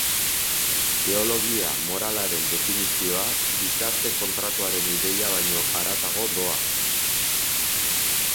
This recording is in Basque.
Teologia moralaren definizioa gizarte kontratuaren ideia baino haratago doa.